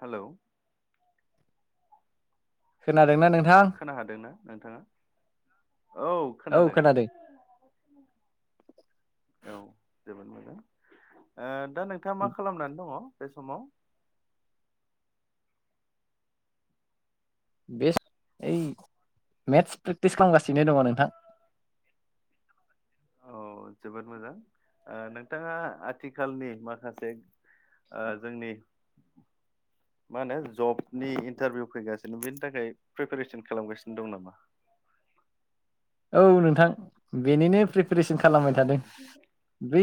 Hello खोनादोंना नों खोनाहादोंना नोंथाङा औ खोनादों औ जोबोद मोजां ओ दा नोंथाङा मा खालामनानै दङ बे समाव बेस ओइ मेथ्स प्रेक्टिस खालामगासिनो दङ नोंथां [inaudible] औ जोबोद मोजां ओ नोंथाङा आथिखालनि माखासे ओ जोंनि मा होनो जबनि इनटारभिउ फैगासिनो बेनि थाखाय प्रिपेरेसन खालामगासिनो दं नामा? [inaudible] औ नोंथां बेनिनो प्रि प्रिपेरेसन खालामबाय औ थादों बै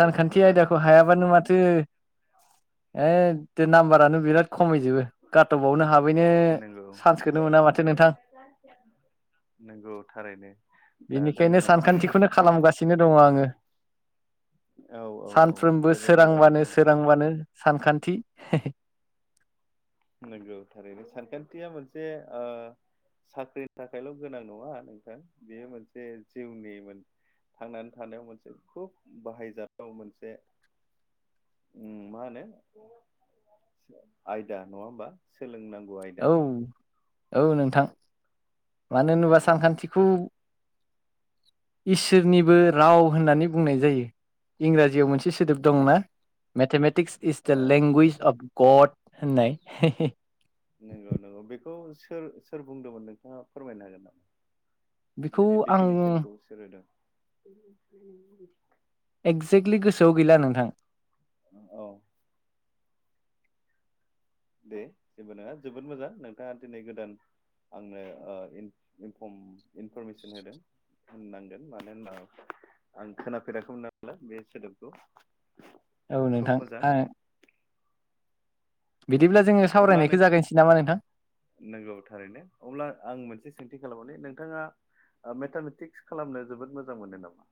जोबोद मोजां आयदाखौ हायाबानो माथो ए दे नामबारानो बिराद खमिजोबो काटअबावनो हाबैनो नंगौ चान्सखौनो मोना माथो नोंथां नोंगौ बेनिखायनो सानखान्थिखौनो खालामगासिनो दङ आङो औ औ औ सानफ्रोमबो जोबोद सोरांबानो मोजां सोरांबानो सानखान्थि नोंगौ थारैनो सानखान्थिया मोनसे ओ साख्रिनि थाखायल' गोनां नङा नोंथां बेयो मोनसे जिउनि मोन थांनानै थानायाव मोनसे खुब बाहायजाथाव मोनसे उम मा होनो आयदा नङा होमबा सोलोंनां औ औ नोंथां मानो होनोबा नंगौ सानखान्थिखौ इसोरनिबो राव होननानै बुंनाय जायो इंराजियाव मोनसे सो दोब इस दंना मेथामेटिक्स इस औ दा लेंगुइज अफ गट होननाय हे हे नोंगौ नोंगौ बेखौ सोर सोर बुंदोंमोन नोंथाङा फोरमायनो हागोन नामा बेखौ बेनि आं डिफिनेसनखौ सोर होदों एगजेक्टलि गोसोआव गैला नोंथां औ दे जेबो नङा जोबोद मोजां नोंथाङा दिनै गोदान आंनो ओ इन इनफरम इनफरमेसन होदों होननांगोन मानो होनना आं खोनाफेराखैमोन नालाय बे सोदोबखौ औ खोब नोंथां मोजां आ जोङो अब्ला सावरायनायखौ नों जागायनोसै नामा नोंथां नोंगौ थारैनो अब्ला आं मोनसे सोंथि खालामोदि नोंथाङा मेथामेटिक्स खालामनो जोबोद मोजां मोनो नामा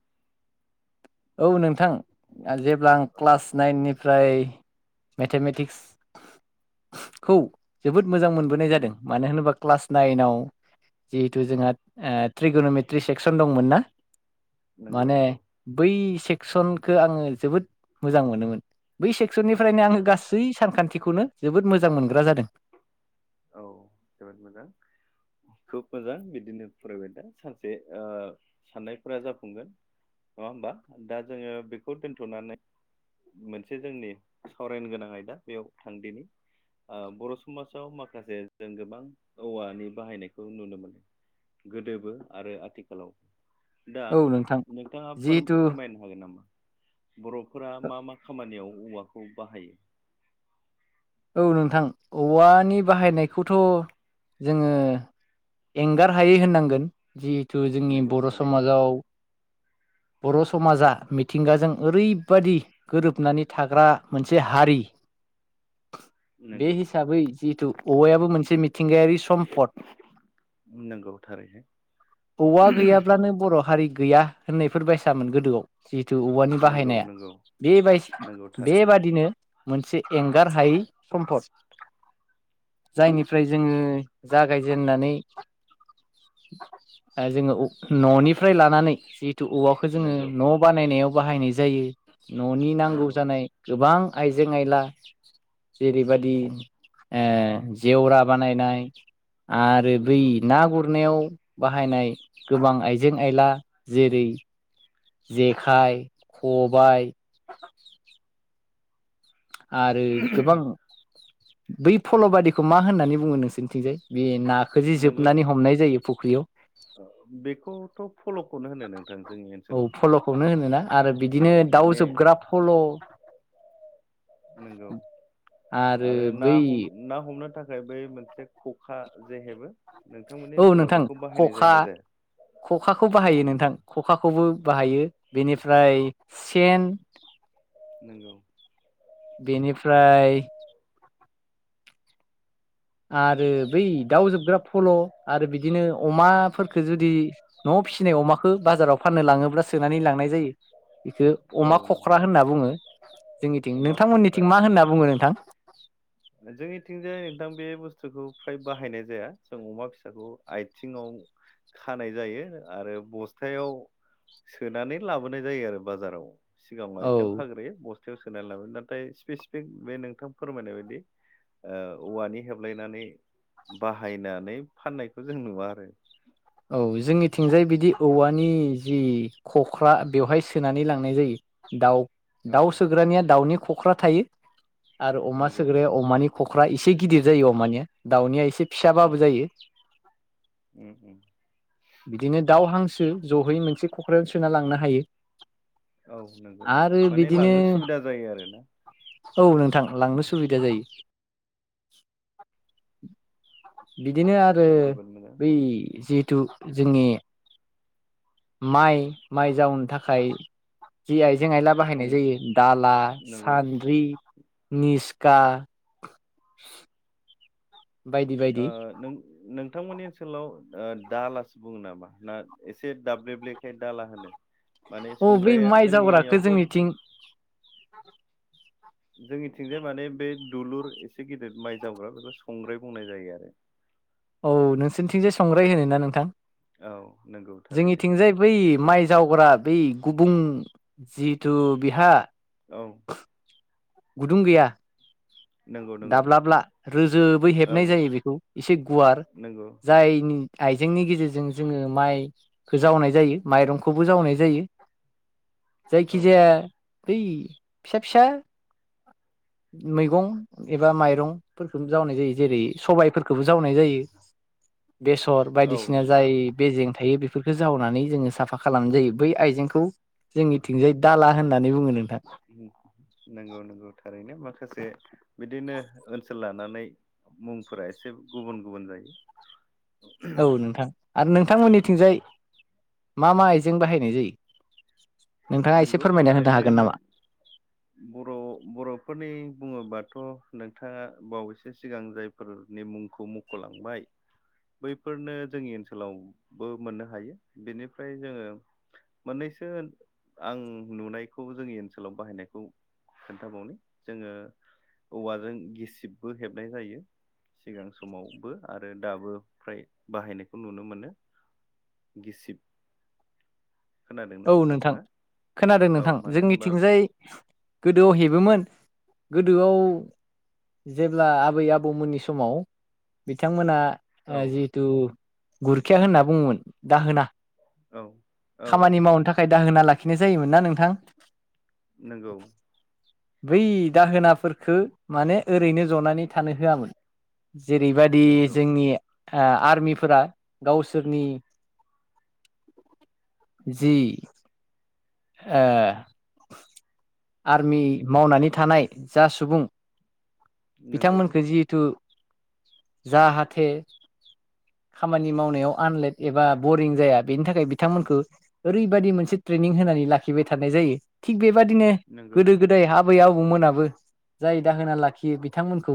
औ नोंथां जेब्ला आं औ क्लास नाइन निफ्राय मेथामेटिक्सखौ जोबोद मोजां मोनबोनाय उम जादों मानो होनोबा क्लास नाइनाव जिहेथु जोंहा ओ ट्रिगन'मेट्रि सेक्सन दंमोन ना नोंगौ माने नोंगौ बै सेकसनखौ आङो जोबोद मोजां मोनोमोन बै सेक क्स'निफ्रायनो आङो गासै सानखान्थिखौनो जोबोद मोजां मोनग्रा जादों औ जोबोद मोजां खोब मोजां बिदिनो फरायबाय दा सानसे ओ साननायफोरा जाफुंगोन नङा होमबा दा जोङो बेखौ दोनथ'नानै मोनसे जोंनि सावरायनो गोनां आयदा बेयाव थांदिनि ओ बर' समाजाव माखासे जों गोबां औवानि बाहायनायखौ नुनो मोनो गोदोबो आरो आथिखालाव दा औ नोंथां नोंथाङा फोर जिहेथु फोरमायनो हागोन नामा बर'फोरा मा मा खामानियाव औवाखौ बाहायो औ नोंथां औवानि बाहायनायखौथ' जोङो एंगारहायै होननांगोन जिहेथु जोंनि नंगौ बर' थारैनो समाजाव बर' समाजा मिथिंगाजों ओरैबादि गोरोबनानै थाग्रा मोनसे हारि [unintelligible] बे नंगौ हिसाबै जिहेतु औवायाबो मोनसे मिथिंगायारि सम्पद नोंगौ औवा गैयाब्लानो बर' हारि गैया होननायफोर बायसामोन गोदोआव जिहेतु औवानि नंगौ बाहायनाया नंगौ बे नंगौ थारैनो बेबादिनो मोनसे एनक एंगारहायै सम्पद जायनिफ्राय जोङो जागायजेननानै ओ जोङो न'निफ्राय लानानै जि थु औवाखौ जोङो नंगौ न' बानायनायाव बाहायनाय जायो न'नि नांगौ नंगौ जानाय गोबां आइजें आइला जेरैबादि ओ जेवरा बानायनाय। आरो बै नंगौ नागुरनायाव बाहायनाय गोबां आइजें आइला जेरै जेखाय, खबाय आरो गोबां बै फल' बादिखौ मा होननानै बुङो नोंसोरनिथिंजाय बे नाखौ जे नंगौ जोबनानै हमनाय जायो फुख्रियाव। बेखौथ' फल'खौनो होनो नोंथां जोंनि औ ओनसोलाव फल'खौनो होनो ना आरो बिदिनो औ दाउ माने जोबग्रा फल' नंगौ आरो ना हम ना हमनो थाखाय। बै मोनसे ख'खा जे हेबो। नोंथांमोननि औ ओनसोलाव नोंथां बेखौ बाहायनाय ख'खा जायोना जाया? ख'खाखौ बाहायो नंगौ नोंथां ख'खाखौबो बाहायो बेनिफ्राय सेन नोंगौ बेनिफ्राय आरो बै दाउजोबग्रा फल' आरो बिदिनो अमाफोरखौ जुदि न फिसिनाय अमाखौ बाजाराव फाननो लाङोब्ला सोनानै लांनाय जायो। बेखौ औ अमा नंगौ खख्रा होनना बुङो जोंनिथिं। अमा खख्रा नोंथांमोनिथिं मा होनना बुङो नोंथां। जोंनिथिंजाय नोंथां बे बुस्थुखौ फ्राय बाहायनाय जाया जों अमा फिसाखौ आथिङाव खानाय जायो आरो बस्थायाव सोनानै लाबोनाय जायो आरो बाजाराव। सिगाङाव आइथिंआ औ खाग्रोयो बस्थायाव सोनानै लाबो नाथाय स्पेसिफिक बे नोंथां फोरमायनाय बायदि ओ औवानि हेबलायनानै। बाहायनानै फाननायखौ जों नुवा आरो औ जोंनिथिंजाय बिदि औवानि जि खख्रा, बेवहाय सोनानै लांनाय जायो। दाउ दाउ औ सोग्रानिया दाउनि खख्रा थायो, आरो अमा नंगौ सोग्राया अमानि खख्रा अख्रा एसे गिदिर जायो अमानिया, दाउनिया एसे औ फिसाबाबो जायो। उम उम बिदिनो दाउ, हांसो जहै मोनसे क'क्रझजों सोना लांनो हायो। औ नंगौ आरो माने बिदिनो लांनो सुबिदा जायो आरोना। औ नोंथां, लांनो सुबिदा जायो। बिदिनो आरो जोबोद मोजां बै जिहेथु जोंनि माइ माइ जावनो थाखाय जि आइ जें आयला सं बाहायनाय जायो दाला, नंगौ सान्द्रि निस्का, बायदि बायदि ओ नों नों नोंथांमोननि ओनसोलाव ओ दालासो बुङो नामा ना एसे दाब्लेबेखाय दाला होनो? माने औ बै संग्राया माइ जावग्राखौ जोंनिथिं जोंनियावथ' जोंनिथिंजाय माने बे दुलुर एसे गिदिर माइ जावग्रा बेखौ संग्राय बुंनाय जायो आरो। औ नोंसोरनिथिंजाय संग्राय होनो ना नोंथां। औ नंगौ थारैनो जोंनिथिंजाय बै माइ जावग्रा बै गुबुं जिहेथु बिहा औ गुदुं गैया नंगौ नंगौ दाब्लाला रोजोबै औ हेबनाय जायो बेखौ एसे गुवार नंगौ जाय जोंनि आइजेंनि गेजेरजों जोङो माइखो जावनाय जायो माइरंखौबो जावनाय जायो [inaudible] औ जायखिजाया बै फिसा फिसा मैगं एबा माइरंफोरखौ जावनाय जायो जेरै सबाइफोरखोबो जावनाय जायो बेसर औ बायदिसिना नंगौ जाय बेेजें थायो बे बेफोरखौ जावनानै जोङो साफा खालामनाय जायो बै आइजेंखौ जोंनिथिंजाय दाला होननानै बुङो नोंथां नोंगौ नोंगौ थारैनो माखासे बिदिनो ओनसोला नानै मुंफोरा एसे गुबुन गुबन जायो औ नोंथां आरो नोंथांमोननिथिंजाय मा मा आइजें बाहायनाय जायो नोंथाङा एसे नंगौ फोरमायना होनो थारैनो हागोन नो नामा बर' बर'फोरनि बुङोबाथ थ' नोंथाङा बावैसो सिगां जायफोर नि मुंखौ मख'लांबाय बैफोरनो जोंनि ओनसोलावबो मोननो हायो बेनिफ्राय जोङो मोननैसो ओन आं नुनायखौ जोंनि ओनसोलाव बाहायनायखौ खोन्थाबावनो जोङो औवाजों गिसिबबो हेबनाय जायो, सिगां समावबो आरो दाबो फ्राय बाहायनायखौ नुनो मोनो गिसिब खोनादोंना औ नोंथां नोंथाङा खोनादों औ नोंथां मानो होनबा जोंनिथिंजाय गोदोआव हेबोमोन गोदोआव जेब्ला आबै आबौमोननि समाव बिथांमोना आ औ जिहथु गुरखिया होनना बुङोमोन दा होना औ। औ औ खामानि औ मावनो थाखाय दाहोना लाखिनाय जायोमोन ना नोंथां? नोंगौ बै दाहोनाफोरखो माने ओरैनो जनानै थानो होआमोन जेरैबादि नंगौ जोंनि आ आर्मिफोरा गावसोरनि [inaudible] [unintelligible] आर्मि मावनानै थानाय जा सुबुं नंगौ बिथांमोनखो जिहेथु जाहाथे खामानि मावनायाव आनलेट एबा बरिं जाया बेनि थाखाय बिथांमोनखो ओरैबायदि मोनसे ट्रेनिं होनानै लाखिबाय थानाय जायो थिग बेबादिनो नंगौ गोदो गोदाय हाब आबै आबौमोनाबो जाय दाहोना लाखियो बिथांमोनखौ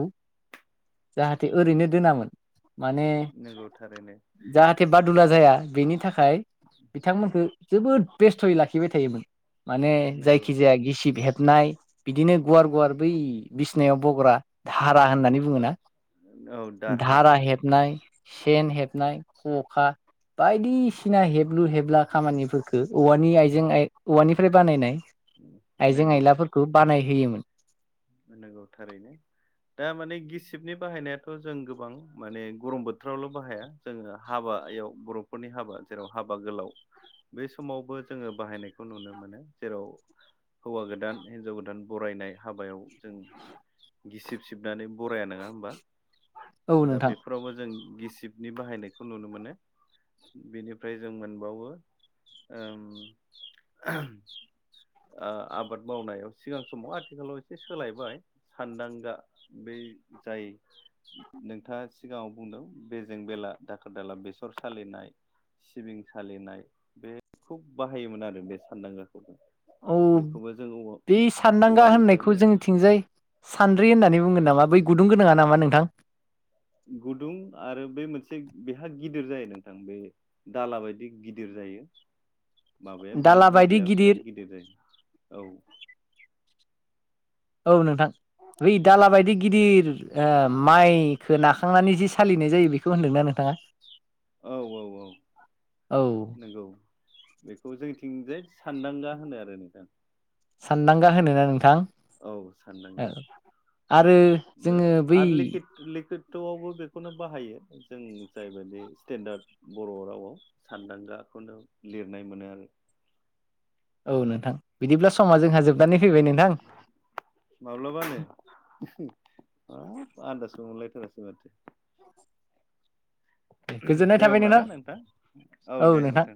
जाहाथे ओरैनो दोनामोन माने नंगौ थारैनो जाहाथे बादुला जाया बेनि थाखाय बिथांमोनखो जोबोद बेस्थ'यै लाखिबाय थायोमोन। माने नंगौ जायखिजाया गिसिब हेब होबनाय बिदिनो गुवार गुवार बै बिसिनायाव बग्रा धाब रा होननानै बुङो ना औ दारहा धारा हेबनाय, सेन, हेबनाय खखा बायदिसिना हेबलु हेबला खामानिफोरखो औवानि आयजो- जों आय औवानिफ्राय बानायनाय आइजें आइलाफोरखौ बानाय होयोमोन। नगौ थारैनो। दा माने गिसिबनि बाहायनायाथ' जों गोबां माने गरम बोथोरावल' बाहाया जोङो हाबा हाबयाव बर'फोरनि हाबा जेराव हाबा गोलाव बे समावबो जोङो बाहायनायखौ नुनो मोनो जेराव हौवा गोदान हिनजाव गोदान बरायनाय हाबायाव जों गिसिब सिबनानै बराया नोङा होमबा औ दा नोंथां बेफोरावबो जों गिसि अ टिपनि बाहायनायखौ नुनो मोनो। बेनिफ्राय जों मोनबावो ओम ओ आबाद मावनायाव सिगां समाव आथिखालाव एसे सोलायबाय सानदांगा बे [unintelligible] जायो नोंथाङा सिगाङाव बुंदों बेजों बेला दाखोर दाला बेसर सालिनाय सिबिं सालिनाय बे खुब बाहायोमोन आरो बे सानदांगाखौबो। औ बेखौबो जों औवा बे सानदांगा होननायखौ औवानिफ्रायनो जोंनिथिंजाय सानद्रि होननानै बुंगोन नामा बै गुदुं गोनाङा नामा नोंथां? गुदुं आरो बे मोनसे बेहा गिदिर जायो नोंथां बे दाला बायदि गिदिर जायो जायो बेनि दाला बायदि बदिया बिराद गिदिर जायो औ औ नोंथां। बै दाला बायदि गिदिर ओ माइखो नाखांनानै जि सालिनाय जायो बेखौ होनदोंना नोंथाङा? औ औ औ औ नंगौ बेखौ जोंनिथिंजाय सानदांगा होनो आरो नोंथां सानदांगा होनोना नोंथां औ औ सानदांगा आरो बे जोङो बै आरो लिकुद लिकुइद बाथौआवबो बेखौनो बाहायो जों जायबायदि स्टेन्डार्ड बर रावआव सानदांगा बेखौनो लिरनाय मोनो आरो औ नोंथां बिदिब्ला समा जोंहा औ जोबनानै फैबाय नोंथां माब्लाबानो [unintelligible] आन्दाजबो मोनलायथारासो माथो गोजोननाय दे थाबाय अब्लाना नोंथां औ दे नोंथां